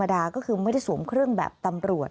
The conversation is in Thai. ดาก็คือไม่ได้สวมเครื่องแบบตำรวจ